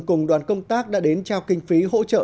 cùng đoàn công tác đã đến trao kinh phí hỗ trợ